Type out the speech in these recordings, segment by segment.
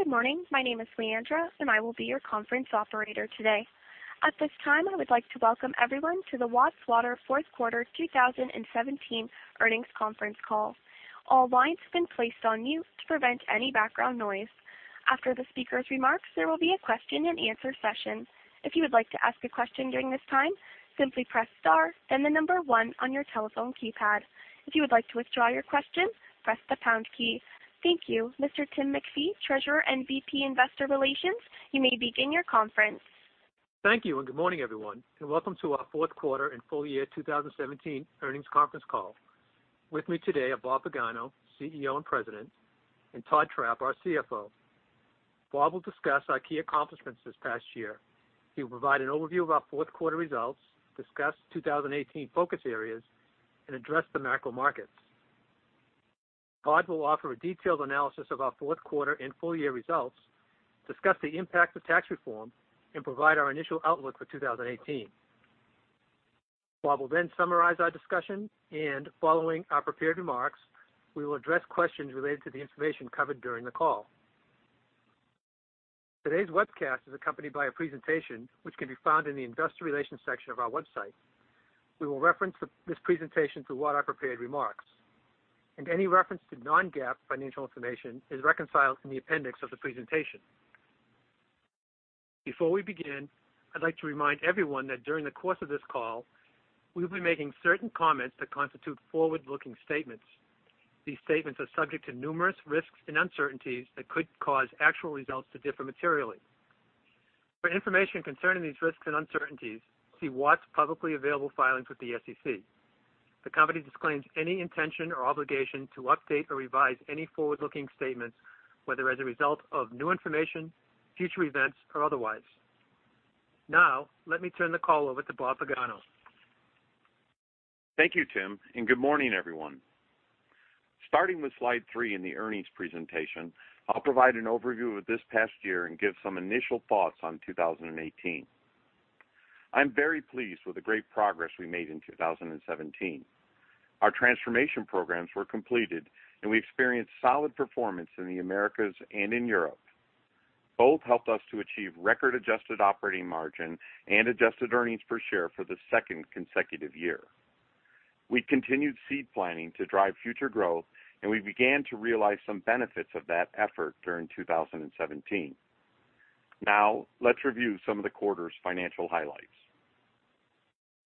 Good morning. My name is Leandra, and I will be your conference operator today. At this time, I would like to welcome everyone to the Watts Water Fourth Quarter 2017 Earnings Conference Call. All lines have been placed on mute to prevent any background noise. After the speaker's remarks, there will be a question-and-answer session. If you would like to ask a question during this time, simply press star, then the number one on your telephone keypad. If you would like to withdraw your question, press the pound key. Thank you. Mr. Tim MacPhee, Treasurer and VP Investor Relations, you may begin your conference. Thank you, and good morning, everyone, and welcome to our fourth quarter and full year 2017 earnings conference call. With me today are Bob Pagano, CEO and President, and Todd Trapp, our CFO. Bob will discuss our key accomplishments this past year. He will provide an overview of our fourth quarter results, discuss 2018 focus areas, and address the macro markets. Todd will offer a detailed analysis of our fourth quarter and full year results, discuss the impact of tax reform, and provide our initial outlook for 2018. Bob will then summarize our discussion, and following our prepared remarks, we will address questions related to the information covered during the call. Today's webcast is accompanied by a presentation which can be found in the Investor Relations section of our website. We will reference this presentation throughout our prepared remarks, and any reference to non-GAAP financial information is reconciled in the appendix of the presentation. Before we begin, I'd like to remind everyone that during the course of this call, we will be making certain comments that constitute forward-looking statements. These statements are subject to numerous risks and uncertainties that could cause actual results to differ materially. For information concerning these risks and uncertainties, see Watts' publicly available filings with the SEC. The company disclaims any intention or obligation to update or revise any forward-looking statements, whether as a result of new information, future events, or otherwise. Now, let me turn the call over to Bob Pagano. Thank you, Tim, and good morning, everyone. Starting with slide three in the earnings presentation, I'll provide an overview of this past year and give some initial thoughts on 2018. I'm very pleased with the great progress we made in 2017. Our transformation programs were completed, and we experienced solid performance in the Americas and in Europe. Both helped us to achieve record adjusted operating margin and adjusted earnings per share for the second consecutive year. We continued seed planning to drive future growth, and we began to realize some benefits of that effort during 2017. Now, let's review some of the quarter's financial highlights.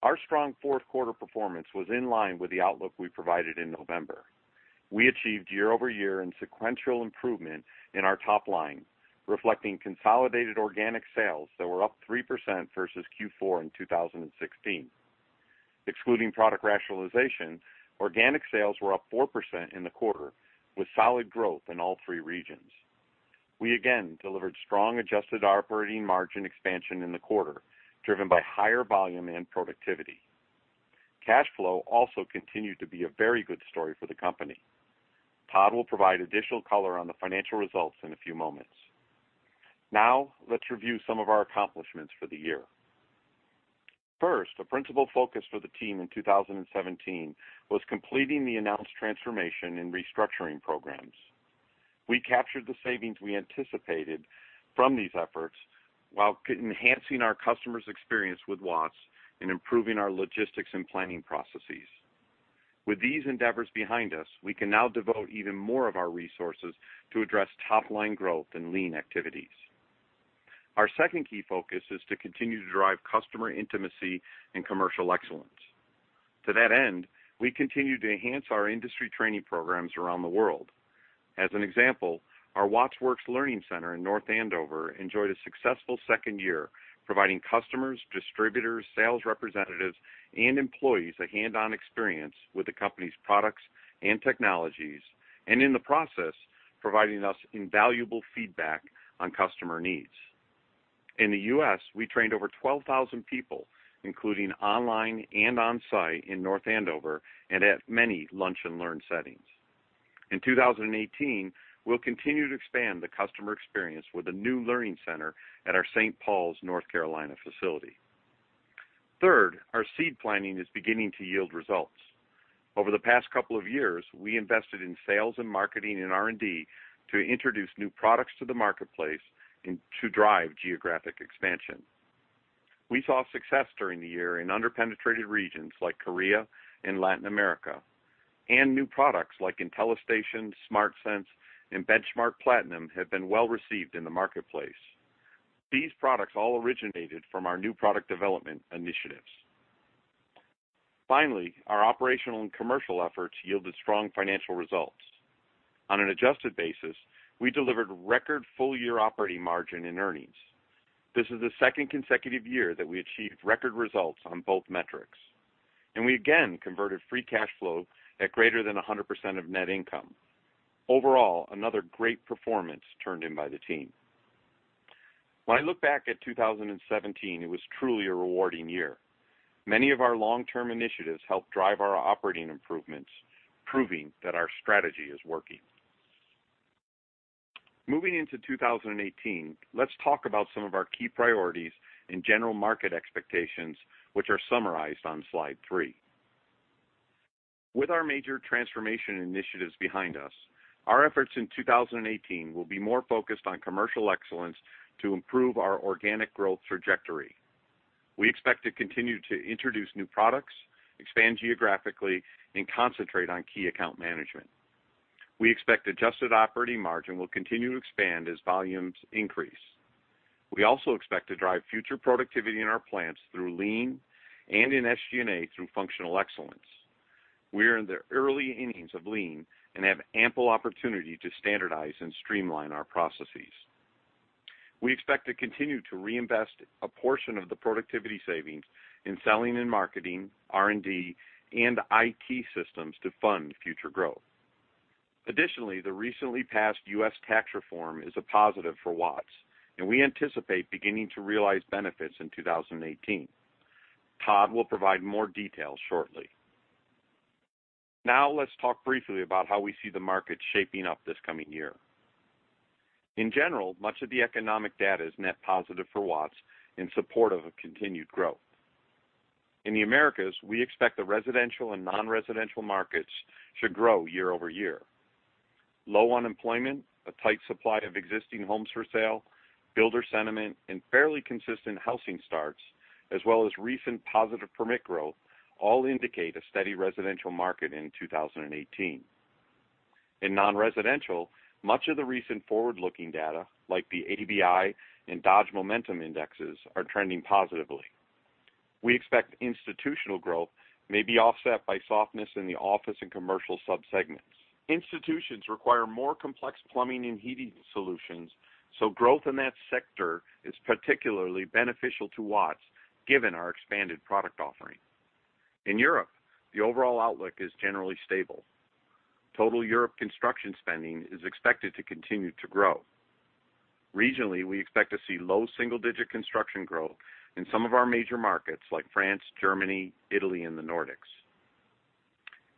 Our strong fourth quarter performance was in line with the outlook we provided in November. We achieved year-over-year and sequential improvement in our top line, reflecting consolidated organic sales that were up 3% versus Q4 in 2016. Excluding product rationalization, organic sales were up 4% in the quarter, with solid growth in all three regions. We again delivered strong adjusted operating margin expansion in the quarter, driven by higher volume and productivity. Cash flow also continued to be a very good story for the company. Todd will provide additional color on the financial results in a few moments. Now, let's review some of our accomplishments for the year. First, a principal focus for the team in 2017 was completing the announced transformation and restructuring programs. We captured the savings we anticipated from these efforts while enhancing our customers' experience with Watts and improving our logistics and planning processes. With these endeavors behind us, we can now devote even more of our resources to address top-line growth and lean activities. Our second key focus is to continue to drive customer intimacy and commercial excellence. To that end, we continue to enhance our industry training programs around the world. As an example, our Watts Works Learning Center in North Andover enjoyed a successful second year, providing customers, distributors, sales representatives, and employees a hands-on experience with the company's products and technologies, and in the process, providing us invaluable feedback on customer needs. In the U.S., we trained over 12,000 people, including online and on-site in North Andover and at many lunch-and-learn settings. In 2018, we'll continue to expand the customer experience with a new learning center at our St. Pauls, North Carolina, facility. Third, our seed planning is beginning to yield results. Over the past couple of years, we invested in sales and marketing and R&D to introduce new products to the marketplace and to drive geographic expansion. We saw success during the year in under-penetrated regions like Korea and Latin America, and new products like IntelliStation, SmartSense, and Benchmark Platinum have been well received in the marketplace. These products all originated from our new product development initiatives. Finally, our operational and commercial efforts yielded strong financial results. On an adjusted basis, we delivered record full-year operating margin in earnings. This is the second consecutive year that we achieved record results on both metrics, and we again converted free cash flow at greater than 100% of net income. Overall, another great performance turned in by the team. When I look back at 2017, it was truly a rewarding year. Many of our long-term initiatives helped drive our operating improvements, proving that our strategy is working. Moving into 2018, let's talk about some of our key priorities and general market expectations, which are summarized on slide three. With our major transformation initiatives behind us, our efforts in 2018 will be more focused on commercial excellence to improve our organic growth trajectory. We expect to continue to introduce new products, expand geographically, and concentrate on key account management. We expect adjusted operating margin will continue to expand as volumes increase. We also expect to drive future productivity in our plants through lean and in SG&A through functional excellence. We are in the early innings of lean and have ample opportunity to standardize and streamline our processes. We expect to continue to reinvest a portion of the productivity savings in selling and marketing, R&D, and IT systems to fund future growth. Additionally, the recently passed U.S. tax reform is a positive for Watts, and we anticipate beginning to realize benefits in 2018. Todd will provide more details shortly. Now, let's talk briefly about how we see the market shaping up this coming year. In general, much of the economic data is net positive for Watts in support of a continued growth. In the Americas, we expect the residential and non-residential markets should grow year-over-year. Low unemployment, a tight supply of existing homes for sale, builder sentiment, and fairly consistent housing starts, as well as recent positive permit growth, all indicate a steady residential market in 2018. In non-residential, much of the recent forward-looking data, like the ABI and Dodge Momentum Indexes, are trending positively. We expect institutional growth may be offset by softness in the office and commercial subsegments. Institutions require more complex plumbing and heating solutions, so growth in that sector is particularly beneficial to Watts, given our expanded product offering. In Europe, the overall outlook is generally stable. Total Europe construction spending is expected to continue to grow. Regionally, we expect to see low single-digit construction growth in some of our major markets, like France, Germany, Italy, and the Nordics.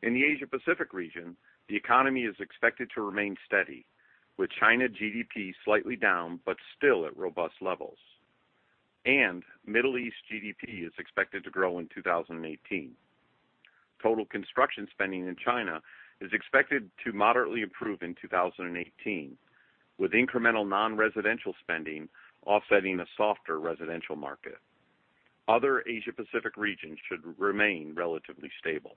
In the Asia Pacific region, the economy is expected to remain steady, with China GDP slightly down, but still at robust levels. Middle East GDP is expected to grow in 2018. Total construction spending in China is expected to moderately improve in 2018, with incremental non-residential spending offsetting a softer residential market. Other Asia Pacific regions should remain relatively stable.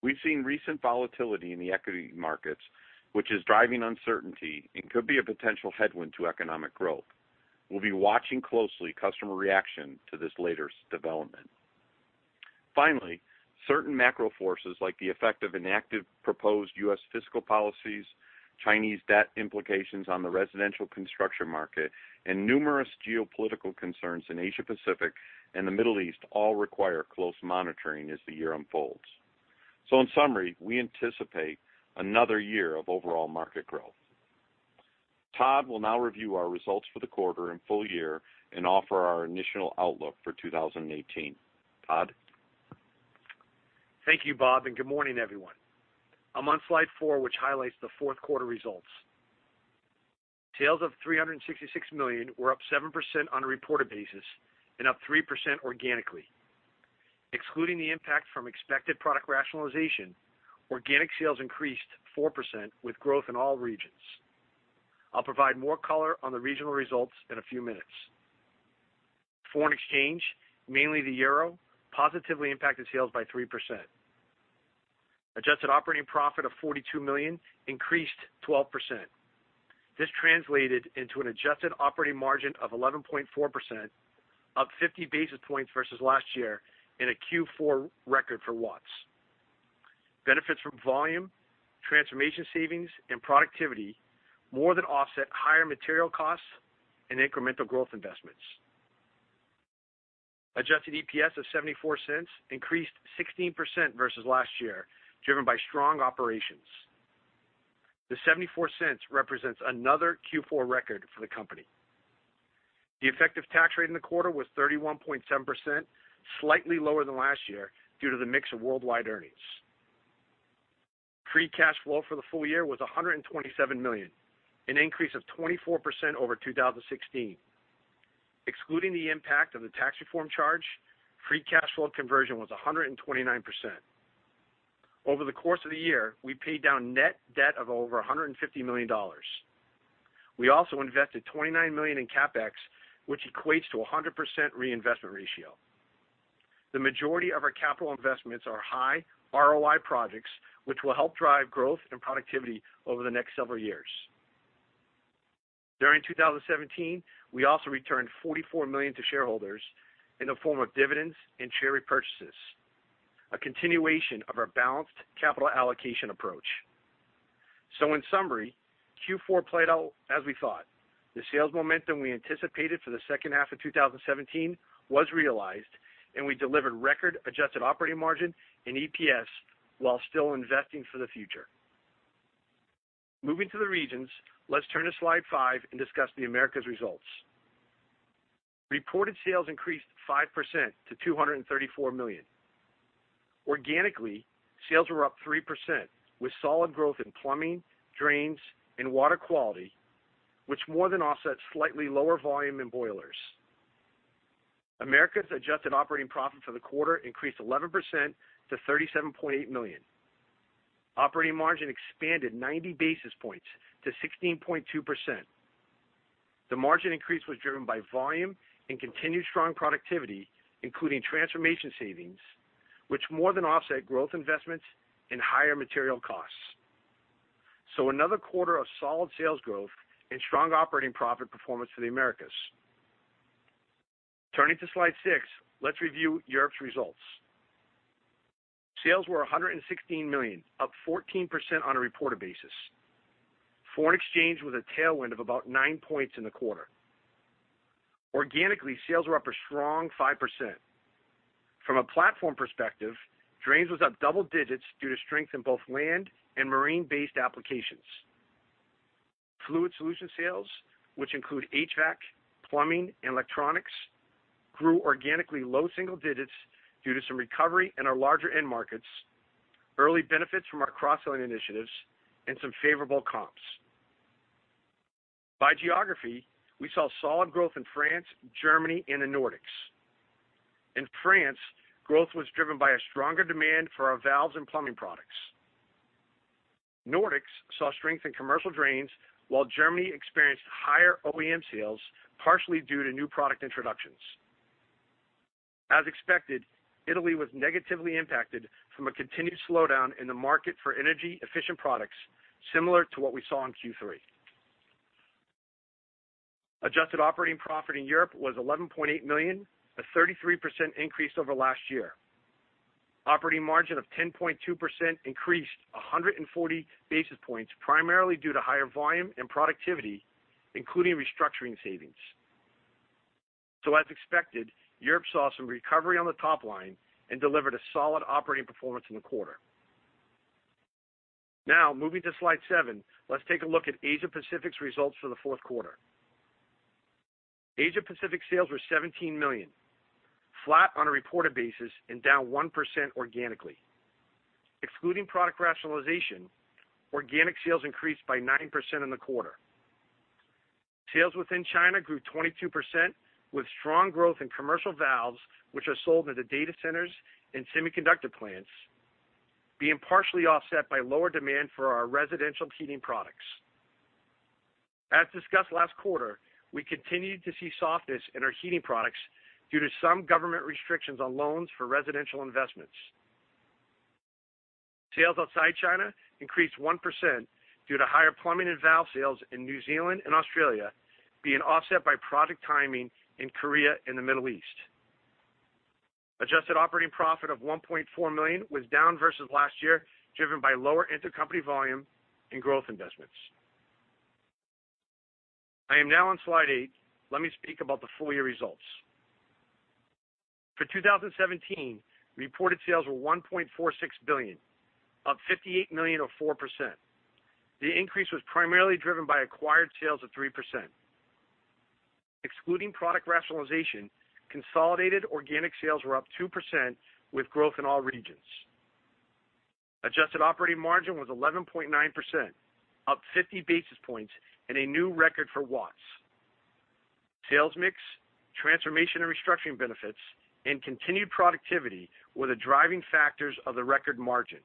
We've seen recent volatility in the equity markets, which is driving uncertainty and could be a potential headwind to economic growth. We'll be watching closely customer reaction to this latest development. Finally, certain macro forces, like the effect of inactive proposed U.S. fiscal policies, Chinese debt implications on the residential construction market, and numerous geopolitical concerns in Asia Pacific and the Middle East, all require close monitoring as the year unfolds. In summary, we anticipate another year of overall market growth. Todd will now review our results for the quarter and full year and offer our initial outlook for 2018. Todd? Thank you, Bob, and good morning, everyone. I'm on slide four, which highlights the fourth quarter results. Sales of $366 million were up 7% on a reported basis and up 3% organically. Excluding the impact from expected product rationalization, organic sales increased 4%, with growth in all regions. I'll provide more color on the regional results in a few minutes. Foreign exchange, mainly the euro, positively impacted sales by 3%. Adjusted operating profit of $42 million increased 12%. This translated into an adjusted operating margin of 11.4%, up 50 basis points versus last year in a Q4 record for Watts. Benefits from volume, transformation savings, and productivity more than offset higher material costs and incremental growth investments. Adjusted EPS of $0.74 increased 16% versus last year, driven by strong operations. The $0.74 represents another Q4 record for the company. The effective tax rate in the quarter was 31.7%, slightly lower than last year due to the mix of worldwide earnings. Free cash flow for the full year was $127 million, an increase of 24% over 2016. Excluding the impact of the tax reform charge, free cash flow conversion was 129%. Over the course of the year, we paid down net debt of over $150 million. We also invested $29 million in CapEx, which equates to a 100% reinvestment ratio. The majority of our capital investments are high ROI projects, which will help drive growth and productivity over the next several years. During 2017, we also returned $44 million to shareholders in the form of dividends and share repurchases, a continuation of our balanced capital allocation approach. So in summary, Q4 played out as we thought. The sales momentum we anticipated for the second half of 2017 was realized, and we delivered record adjusted operating margin and EPS while still investing for the future. Moving to the regions, let's turn to slide 5 and discuss the Americas results. Reported sales increased 5% to $234 million. Organically, sales were up 3%, with solid growth in plumbing, drains, and water quality, which more than offset slightly lower volume in boilers. Americas adjusted operating profit for the quarter increased 11% to $37.8 million. Operating margin expanded 90 basis points to 16.2%. The margin increase was driven by volume and continued strong productivity, including transformation savings, which more than offset growth investments and higher material costs. So another quarter of solid sales growth and strong operating profit performance for the Americas. Turning to slide six, let's review Europe's results. Sales were $116 million, up 14% on a reported basis. Foreign exchange was a tailwind of about 9 points in the quarter. Organically, sales were up a strong 5%. From a platform perspective, drains was up double digits due to strength in both land and marine-based applications. Fluid solution sales, which include HVAC, plumbing, and electronics, grew organically low single digits due to some recovery in our larger end markets, early benefits from our cross-selling initiatives, and some favorable comps. By geography, we saw solid growth in France, Germany, and the Nordics. In France, growth was driven by a stronger demand for our valves and plumbing products. Nordics saw strength in commercial drains, while Germany experienced higher OEM sales, partially due to new product introductions. As expected, Italy was negatively impacted from a continued slowdown in the market for energy-efficient products, similar to what we saw in Q3. Adjusted operating profit in Europe was $11.8 million, a 33% increase over last year. Operating margin of 10.2% increased 140 basis points, primarily due to higher volume and productivity, including restructuring savings. So as expected, Europe saw some recovery on the top line and delivered a solid operating performance in the quarter. Now, moving to slide seven, let's take a look at Asia Pacific's results for the fourth quarter. Asia Pacific sales were $17 million, flat on a reported basis and down 1% organically. Excluding product rationalization, organic sales increased by 9% in the quarter. Sales within China grew 22%, with strong growth in commercial valves, which are sold into data centers and semiconductor plants, being partially offset by lower demand for our residential heating products. As discussed last quarter, we continued to see softness in our heating products due to some government restrictions on loans for residential investments. Sales outside China increased 1% due to higher plumbing and valve sales in New Zealand and Australia, being offset by product timing in Korea and the Middle East. Adjusted operating profit of $1.4 million was down versus last year, driven by lower intercompany volume and growth investments. I am now on slide eight. Let me speak about the full year results. For 2017, reported sales were $1.46 billion, up $58 million or 4%. The increase was primarily driven by acquired sales of 3%. Excluding product rationalization, consolidated organic sales were up 2%, with growth in all regions. Adjusted operating margin was 11.9%, up 50 basis points and a new record for Watts. Sales mix, transformation and restructuring benefits, and continued productivity were the driving factors of the record margin.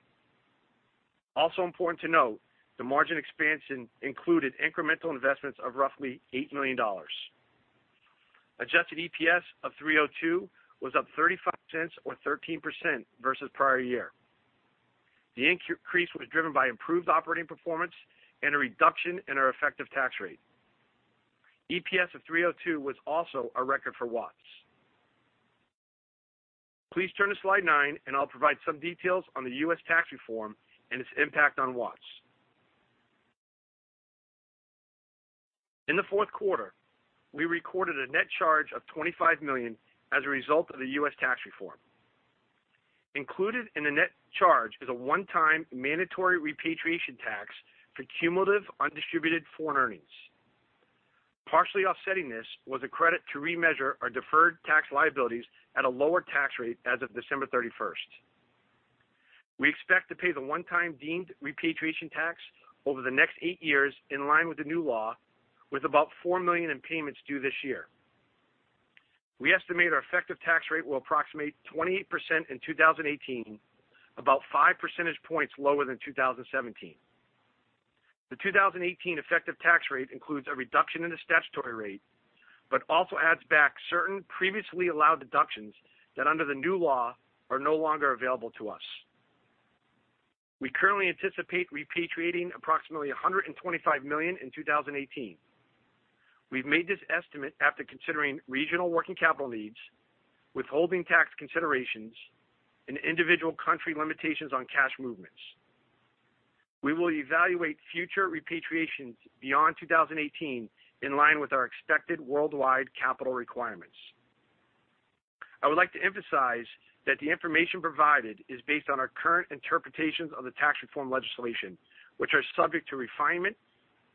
Also important to note, the margin expansion included incremental investments of roughly $8 million. Adjusted EPS of $3.02 was up $0.35, or 13%, versus prior year. The increase was driven by improved operating performance and a reduction in our effective tax rate. EPS of $3.02 was also a record for Watts. Please turn to slide nine, and I'll provide some details on the U.S. tax reform and its impact on Watts. In the fourth quarter, we recorded a net charge of $25 million as a result of the U.S. tax reform. Included in the net charge is a one-time mandatory repatriation tax for cumulative undistributed foreign earnings. Partially offsetting this was a credit to remeasure our deferred tax liabilities at a lower tax rate as of December 31st. We expect to pay the one-time deemed repatriation tax over the next eight years, in line with the new law, with about $4 million in payments due this year. We estimate our effective tax rate will approximate 28% in 2018, about 5 percentage points lower than 2017. The 2018 effective tax rate includes a reduction in the statutory rate, but also adds back certain previously allowed deductions that, under the new law, are no longer available to us. We currently anticipate repatriating approximately $125 million in 2018. We've made this estimate after considering regional working capital needs, withholding tax considerations, and individual country limitations on cash movements. We will evaluate future repatriations beyond 2018 in line with our expected worldwide capital requirements. I would like to emphasize that the information provided is based on our current interpretations of the tax reform legislation, which are subject to refinement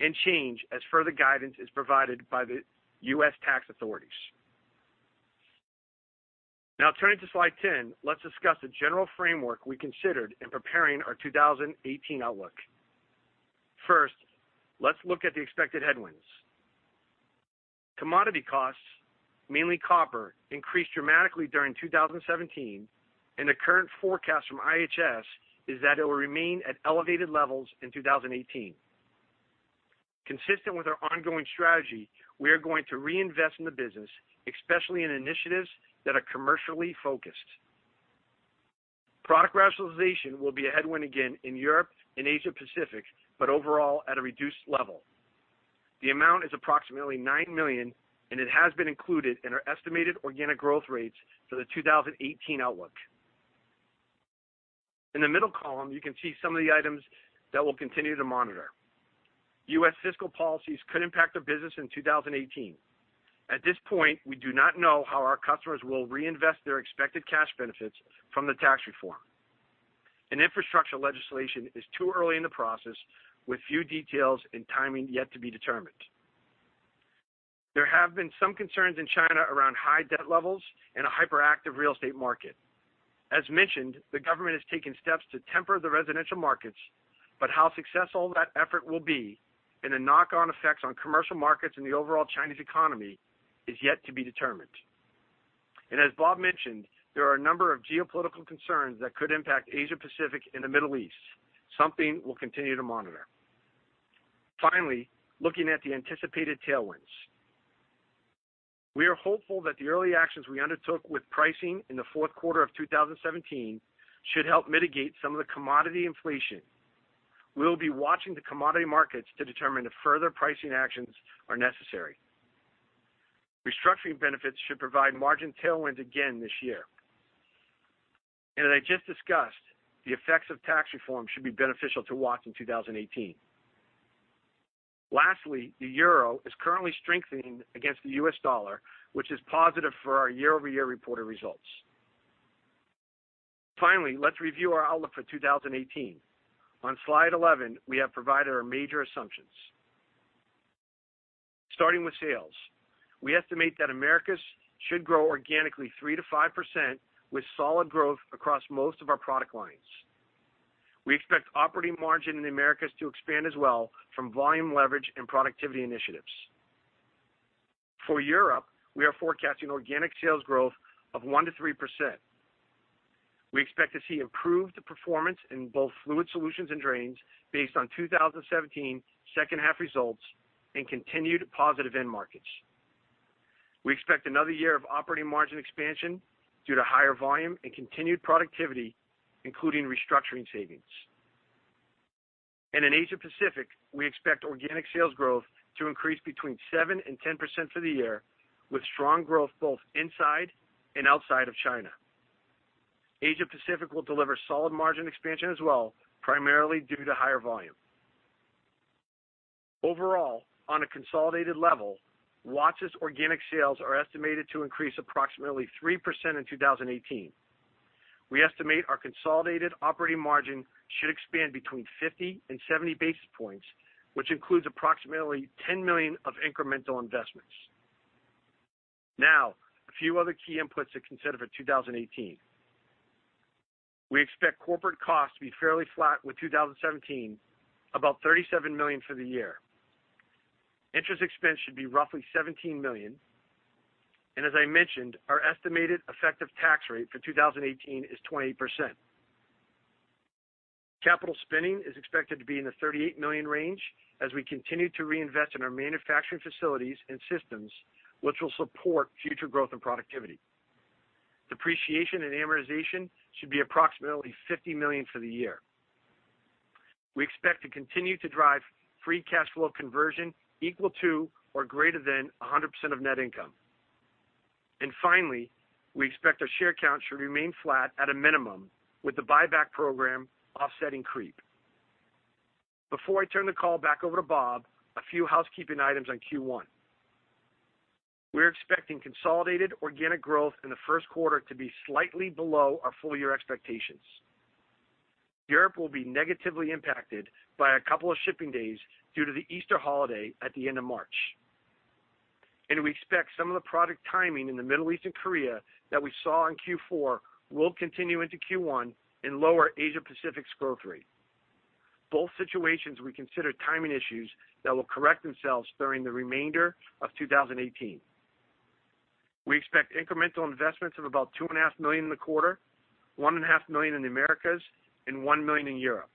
and change as further guidance is provided by the U.S. tax authorities. Now, turning to slide 10, let's discuss the general framework we considered in preparing our 2018 outlook. Let's look at the expected headwinds. Commodity costs, mainly copper, increased dramatically during 2017, and the current forecast from IHS is that it will remain at elevated levels in 2018. Consistent with our ongoing strategy, we are going to reinvest in the business, especially in initiatives that are commercially focused. Product rationalization will be a headwind again in Europe and Asia Pacific, but overall, at a reduced level. The amount is approximately $9 million, and it has been included in our estimated organic growth rates for the 2018 outlook. In the middle column, you can see some of the items that we'll continue to monitor. US fiscal policies could impact our business in 2018. At this point, we do not know how our customers will reinvest their expected cash benefits from the tax reform. Infrastructure legislation is too early in the process, with few details and timing yet to be determined. There have been some concerns in China around high debt levels and a hyperactive real estate market. As mentioned, the government has taken steps to temper the residential markets, but how successful that effort will be, and the knock-on effects on commercial markets and the overall Chinese economy, is yet to be determined. As Bob mentioned, there are a number of geopolitical concerns that could impact Asia Pacific and the Middle East, something we'll continue to monitor. Finally, looking at the anticipated tailwinds. We are hopeful that the early actions we undertook with pricing in the fourth quarter of 2017 should help mitigate some of the commodity inflation. We'll be watching the commodity markets to determine if further pricing actions are necessary. Restructuring benefits should provide margin tailwind again this year. And as I just discussed, the effects of tax reform should be beneficial to Watts in 2018. Lastly, the euro is currently strengthening against the US dollar, which is positive for our year-over-year reported results. Finally, let's review our outlook for 2018. On Slide 11, we have provided our major assumptions. Starting with sales, we estimate that Americas should grow organically 3%-5%, with solid growth across most of our product lines. We expect operating margin in the Americas to expand as well from volume leverage and productivity initiatives. For Europe, we are forecasting organic sales growth of 1%-3%. We expect to see improved performance in both fluid solutions and drains based on 2017 second half results and continued positive end markets. We expect another year of operating margin expansion due to higher volume and continued productivity, including restructuring savings. In Asia Pacific, we expect organic sales growth to increase between 7%-10% for the year, with strong growth both inside and outside of China. Asia Pacific will deliver solid margin expansion as well, primarily due to higher volume. Overall, on a consolidated level, Watts' organic sales are estimated to increase approximately 3% in 2018. We estimate our consolidated operating margin should expand between 50-70 basis points, which includes approximately $10 million of incremental investments. Now, a few other key inputs to consider for 2018. We expect corporate costs to be fairly flat with 2017, about $37 million for the year. Interest expense should be roughly $17 million, and as I mentioned, our estimated effective tax rate for 2018 is 20%. Capital spending is expected to be in the $38 million range as we continue to reinvest in our manufacturing facilities and systems, which will support future growth and productivity. Depreciation and amortization should be approximately $50 million for the year. We expect to continue to drive free cash flow conversion equal to or greater than 100% of net income. And finally, we expect our share count should remain flat at a minimum, with the buyback program offsetting creep. Before I turn the call back over to Bob, a few housekeeping items on Q1. We're expecting consolidated organic growth in the first quarter to be slightly below our full year expectations. Europe will be negatively impacted by a couple of shipping days due to the Easter holiday at the end of March. We expect some of the product timing in the Middle East and Korea that we saw in Q4 will continue into Q1 and lower Asia Pacific's growth rate. Both situations we consider timing issues that will correct themselves during the remainder of 2018. We expect incremental investments of about $2.5 million in the quarter, $1.5 million in the Americas, and $1 million in Europe.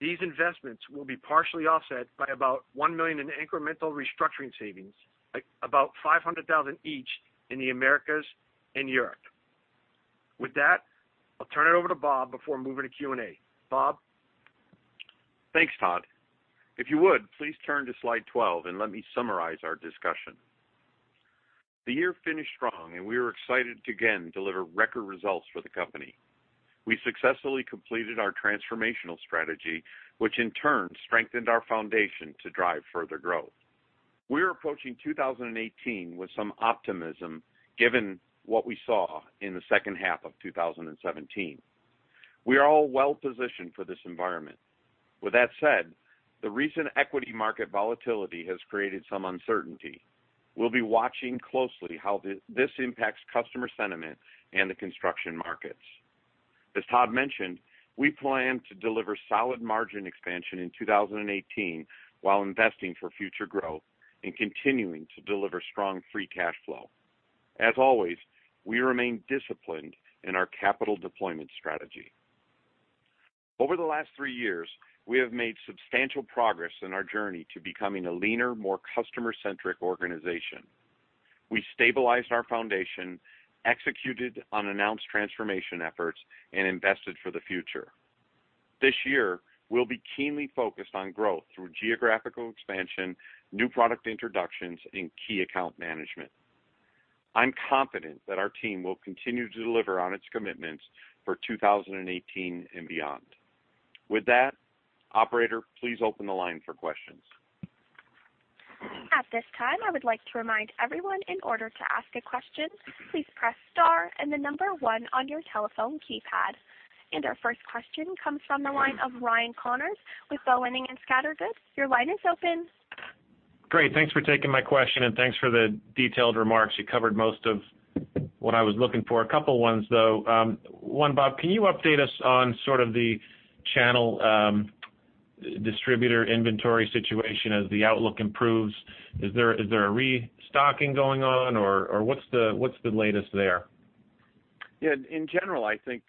These investments will be partially offset by about $1 million in incremental restructuring savings, about $500,000 each in the Americas and Europe. With that, I'll turn it over to Bob before moving to Q&A. Bob? Thanks, Todd. If you would, please turn to slide 12 and let me summarize our discussion. The year finished strong, and we were excited to again deliver record results for the company. We successfully completed our transformational strategy, which in turn strengthened our foundation to drive further growth. We are approaching 2018 with some optimism, given what we saw in the second half of 2017. We are all well positioned for this environment. With that said, the recent equity market volatility has created some uncertainty. We'll be watching closely how this impacts customer sentiment and the construction markets. As Todd mentioned, we plan to deliver solid margin expansion in 2018, while investing for future growth and continuing to deliver strong free cash flow. As always, we remain disciplined in our capital deployment strategy. Over the last three years, we have made substantial progress in our journey to becoming a leaner, more customer-centric organization. We stabilized our foundation, executed on announced transformation efforts, and invested for the future. This year, we'll be keenly focused on growth through geographical expansion, new product introductions, and key account management. I'm confident that our team will continue to deliver on its commitments for 2018 and beyond. With that, operator, please open the line for questions. At this time, I would like to remind everyone, in order to ask a question, please press star and the number one on your telephone keypad. Our first question comes from the line of Ryan Connors with Boenning and Scattergood. Your line is open. Great. Thanks for taking my question, and thanks for the detailed remarks. You covered most of what I was looking for. A couple ones, though. One, Bob, can you update us on sort of the channel, distributor inventory situation as the outlook improves? Is there a restocking going on, or what's the latest there? Yeah, in general, I think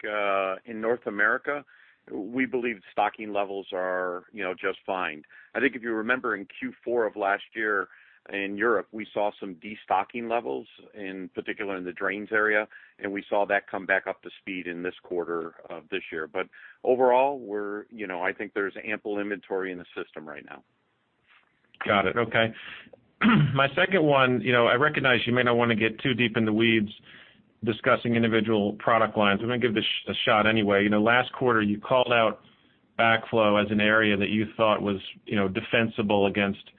in North America, we believe stocking levels are, you know, just fine. I think if you remember in Q4 of last year, in Europe, we saw some destocking levels, in particular in the drains area, and we saw that come back up to speed in this quarter of this year. But overall, we're, you know, I think there's ample inventory in the system right now. Got it. Okay. My second one, you know, I recognize you may not want to get too deep in the weeds discussing individual product lines. I'm gonna give this a shot anyway. You know, last quarter, you called out backflow as an area that you thought was, you know, defensible against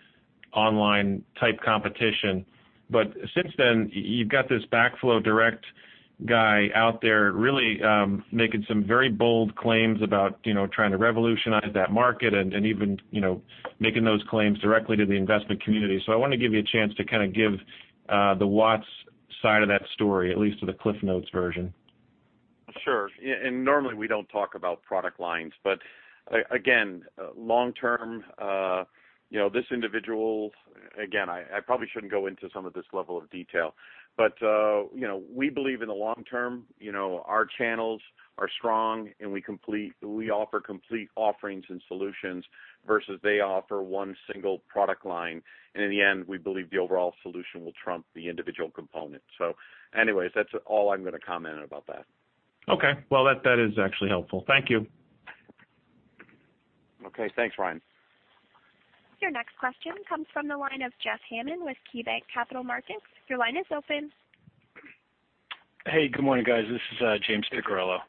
online-type competition. But since then, you've got this Backflow Direct guy out there really making some very bold claims about, you know, trying to revolutionize that market and even, you know, making those claims directly to the investment community. So I wanna give you a chance to kind of give the Watts side of that story, at least to the CliffsNotes version. Sure. Yeah, and normally, we don't talk about product lines, but again, long term, you know, this individual. Again, I probably shouldn't go into some of this level of detail, but, you know, we believe in the long term, you know, our channels are strong, and we offer complete offerings and solutions, versus they offer one single product line. And in the end, we believe the overall solution will trump the individual component. So anyways, that's all I'm gonna comment about that. Okay. Well, that, that is actually helpful. Thank you. Okay. Thanks, Ryan. Your next question comes from the line of Jeff Hammond with KeyBanc Capital Markets. Your line is open. Hey, good morning, guys. This is James Picariello.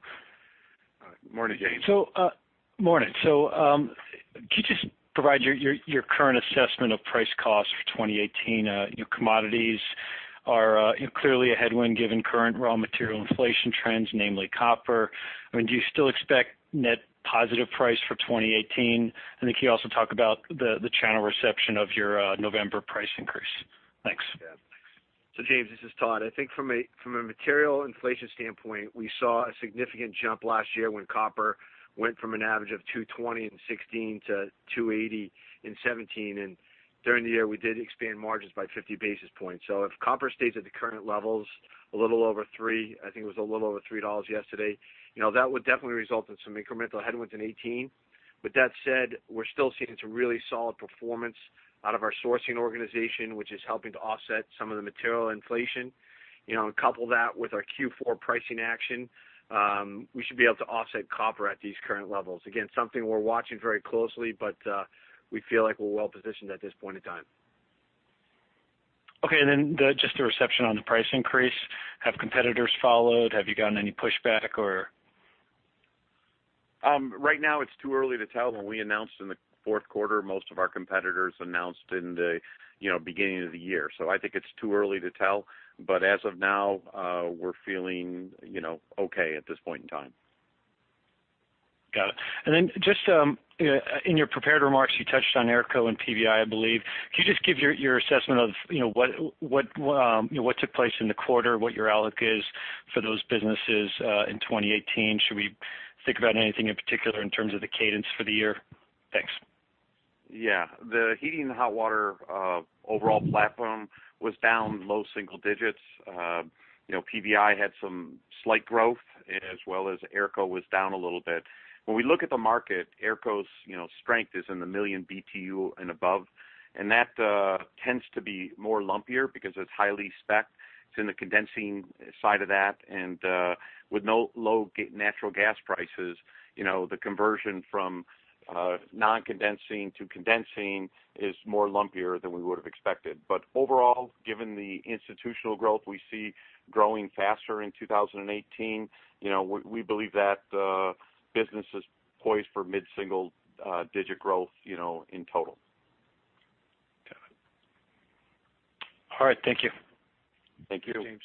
Morning, James. Morning. So, could you just provide your current assessment of price costs for 2018? You know, commodities are clearly a headwind given current raw material inflation trends, namely copper. I mean, do you still expect net positive price for 2018? I think you also talked about the channel reception of your November price increase. Thanks. Yeah. So James, this is Todd. I think from a material inflation standpoint, we saw a significant jump last year when copper went from an average of $2.20 in 2016 to $2.80 in 2017, and during the year, we did expand margins by 50 basis points. So if copper stays at the current levels, a little over $3, I think it was a little over $3 yesterday, you know, that would definitely result in some incremental headwinds in 2018. With that said, we're still seeing some really solid performance out of our sourcing organization, which is helping to offset some of the material inflation. You know, and couple that with our Q4 pricing action, we should be able to offset copper at these current levels. Again, something we're watching very closely, but we feel like we're well positioned at this point in time. Okay, and then just the reception on the price increase, have competitors followed? Have you gotten any pushback or...? Right now, it's too early to tell. When we announced in the fourth quarter, most of our competitors announced in the, you know, beginning of the year. So I think it's too early to tell, but as of now, we're feeling, you know, okay at this point in time. Got it. And then just in your prepared remarks, you touched on AERCO and PVI, I believe. Can you just give your assessment of, you know, what took place in the quarter, what your outlook is for those businesses in 2018? Should we think about anything in particular in terms of the cadence for the year? Thanks. Yeah. The heating and hot water overall platform was down low single digits. You know, PVI had some slight growth, as well as AERCO was down a little bit. When we look at the market, AERCO's, you know, strength is in the 1 million BTU and above, and that tends to be more lumpier because it's highly spec. It's in the condensing side of that, and with no low natural gas prices, you know, the conversion from non-condensing to condensing is more lumpier than we would have expected. But overall, given the institutional growth we see growing faster in 2018, you know, we believe that business is poised for mid-single digit growth, you know, in total. Got it. All right. Thank you. Thank you, James.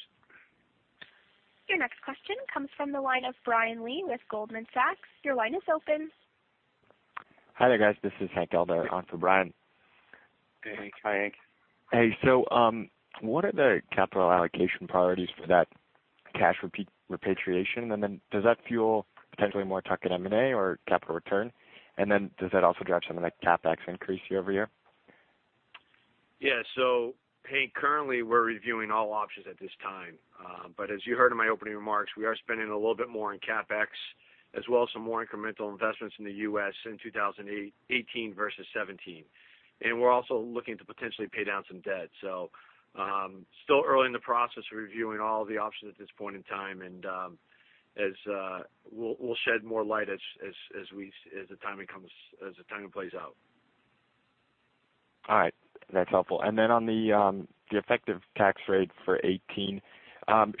Your next question comes from the line of Brian Lee with Goldman Sachs. Your line is open.... Hi there, guys. This is Hank Elder on for Brian. Hey, Hank. Hi, Hank. Hey, so, what are the capital allocation priorities for that cash repatriation? And then does that fuel potentially more tuck-in M&A or capital return? And then does that also drive some of the CapEx increase year-over-year? Yeah. So Hank, currently, we're reviewing all options at this time. But as you heard in my opening remarks, we are spending a little bit more on CapEx, as well as some more incremental investments in the U.S. in 2018 versus 2017. And we're also looking to potentially pay down some debt. So, still early in the process, reviewing all the options at this point in time, and we'll shed more light as the timing comes, as the timing plays out. All right. That's helpful. And then on the effective tax rate for 2018,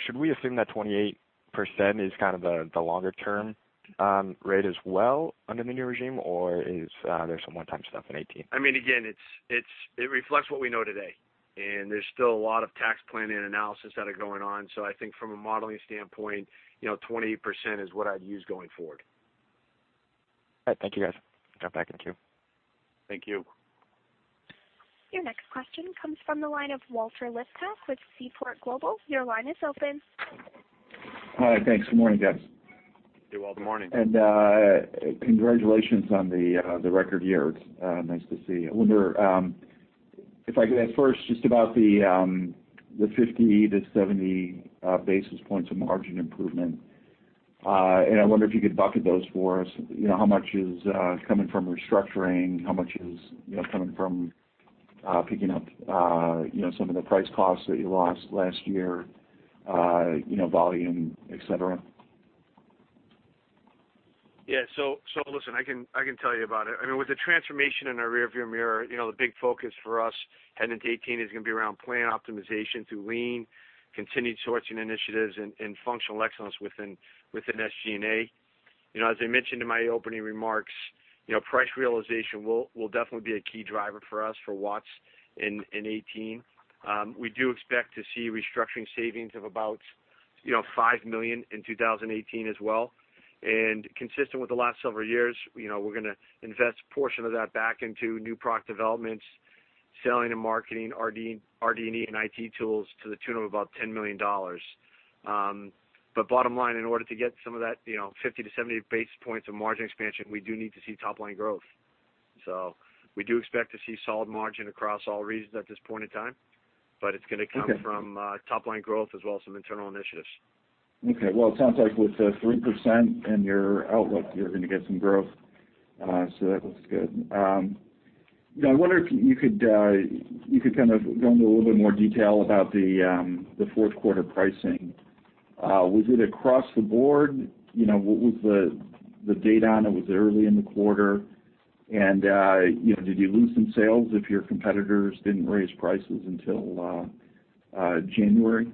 should we assume that 28% is kind of the longer term rate as well under the new regime? Or is there some one-time stuff in 2018? I mean, again, it's, it reflects what we know today, and there's still a lot of tax planning and analysis that are going on. So I think from a modeling standpoint, you know, 28% is what I'd use going forward. All right. Thank you, guys. Drop back in queue. Thank you. Your next question comes from the line of Walter Liptak with Seaport Global. Your line is open. Hi. Thanks. Good morning, guys. Do well. Good morning. And, congratulations on the record year. Nice to see. I wonder if I could ask first just about the 50-70 basis points of margin improvement. And I wonder if you could bucket those for us. You know, how much is coming from restructuring? How much is, you know, coming from picking up, you know, some of the price costs that you lost last year, you know, volume, et cetera? Yeah, so listen, I can tell you about it. I mean, with the transformation in our rearview mirror, you know, the big focus for us heading into 2018 is gonna be around plan optimization through lean, continued sourcing initiatives and functional excellence within SG&A. You know, as I mentioned in my opening remarks, you know, price realization will definitely be a key driver for us for Watts in 2018. We do expect to see restructuring savings of about, you know, $5 million in 2018 as well. And consistent with the last several years, you know, we're gonna invest a portion of that back into new product developments, selling and marketing, R&D&E and IT tools to the tune of about $10 million. But bottom line, in order to get some of that, you know, 50-70 basis points of margin expansion, we do need to see top-line growth. So we do expect to see solid margin across all regions at this point in time, but it's gonna come from- Okay. top-line growth as well as some internal initiatives. Okay. Well, it sounds like with the 3% in your outlook, you're gonna get some growth, so that looks good. You know, I wonder if you could kind of go into a little bit more detail about the fourth quarter pricing. Was it across the board? You know, what was the date on it? Was it early in the quarter? And, you know, did you lose some sales if your competitors didn't raise prices until January?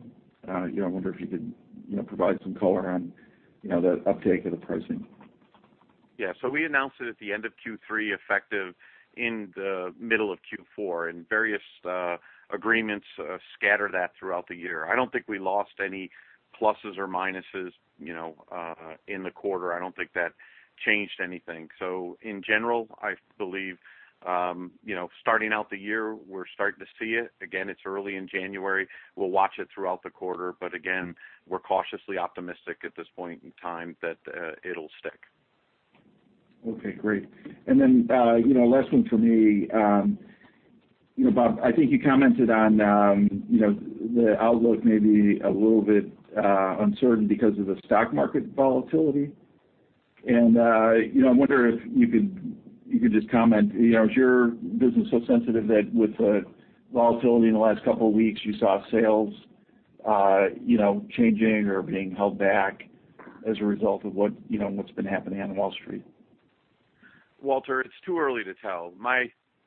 You know, I wonder if you could provide some color on, you know, the uptake of the pricing. Yeah. So we announced it at the end of Q3, effective in the middle of Q4, and various agreements scatter that throughout the year. I don't think we lost any pluses or minuses, you know, in the quarter. I don't think that changed anything. So in general, I believe, you know, starting out the year, we're starting to see it. Again, it's early in January. We'll watch it throughout the quarter, but again, we're cautiously optimistic at this point in time that it'll stick. Okay, great. Then, you know, last one from me. You know, Bob, I think you commented on, you know, the outlook may be a little bit uncertain because of the stock market volatility. You know, I'm wondering if you could just comment, you know, is your business so sensitive that with the volatility in the last couple of weeks, you saw sales, you know, changing or being held back as a result of what, you know, what's been happening on Wall Street? Walter, it's too early to tell. My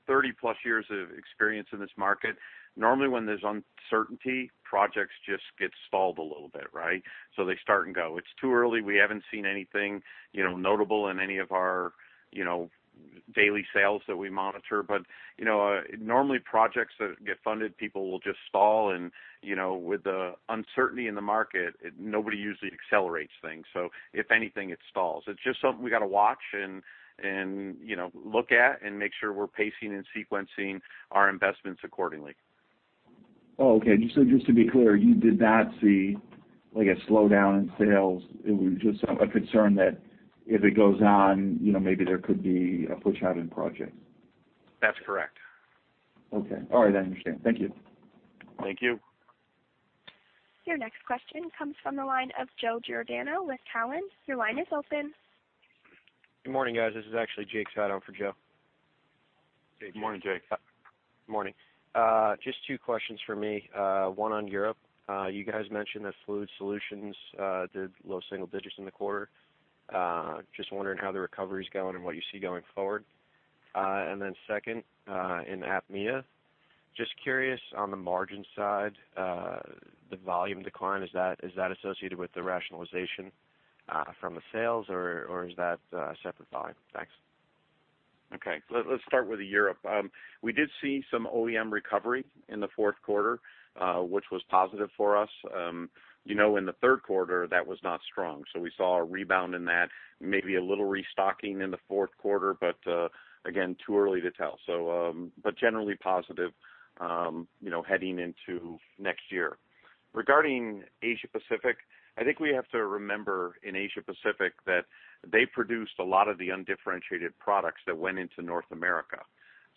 30+ years of experience in this market, normally when there's uncertainty, projects just get stalled a little bit, right? So they start and go. It's too early. We haven't seen anything, you know, notable in any of our, you know, daily sales that we monitor. But, you know, normally, projects that get funded, people will just stall and, you know, with the uncertainty in the market, nobody usually accelerates things. So if anything, it stalls. It's just something we gotta watch and, you know, look at and make sure we're pacing and sequencing our investments accordingly. Oh, okay. Just to be clear, you did not see, like, a slowdown in sales. It was just a concern that if it goes on, you know, maybe there could be a push out in projects. That's correct. Okay. All right, I understand. Thank you. Thank you. Your next question comes from the line of Joe Giordano with Cowen. Your line is open. Good morning, guys. This is actually Jake Stout on for Joe. Good morning, Jake. Morning. Just two questions for me. One on Europe. You guys mentioned that Fluid Solutions did low single digits in the quarter. Just wondering how the recovery is going and what you see going forward. And then second, in APMEA, just curious on the margin side, the volume decline, is that associated with the rationalization from the sales, or is that a separate buy? Thanks. Okay. Let's start with the Europe. We did see some OEM recovery in the fourth quarter, which was positive for us. You know, in the third quarter, that was not strong, so we saw a rebound in that, maybe a little restocking in the fourth quarter, but, again, too early to tell. So, but generally positive, you know, heading into next year. Regarding Asia Pacific, I think we have to remember, in Asia Pacific, that they produced a lot of the undifferentiated products that went into North America.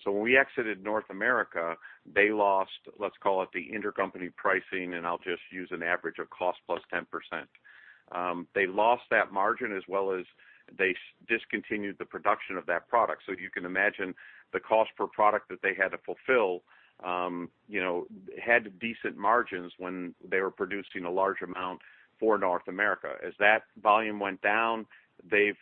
So when we exited North America, they lost, let's call it, the intercompany pricing, and I'll just use an average of cost plus 10%. They lost that margin as well as they discontinued the production of that product. So you can imagine the cost per product that they had to fulfill, you know, had decent margins when they were producing a large amount for North America. As that volume went down, they've,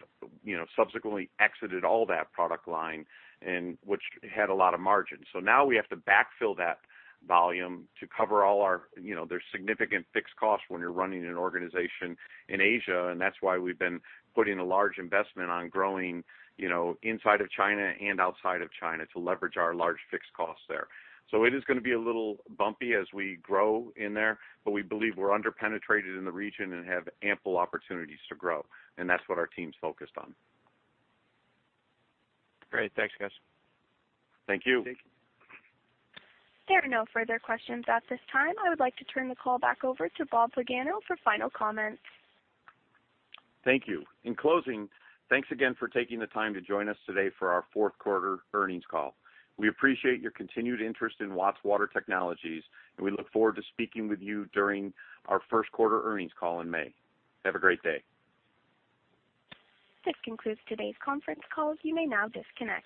you know, subsequently exited all that product line, and which had a lot of margin. So now we have to backfill that volume to cover all our... You know, there's significant fixed costs when you're running an organization in Asia, and that's why we've been putting a large investment on growing, you know, inside of China and outside of China to leverage our large fixed costs there. So it is gonna be a little bumpy as we grow in there, but we believe we're under-penetrated in the region and have ample opportunities to grow, and that's what our team's focused on. Great. Thanks, guys. Thank you. Thank you. There are no further questions at this time. I would like to turn the call back over to Bob Pagano for final comments. Thank you. In closing, thanks again for taking the time to join us today for our fourth quarter earnings call. We appreciate your continued interest in Watts Water Technologies, and we look forward to speaking with you during our first quarter earnings call in May. Have a great day. This concludes today's conference call. You may now disconnect.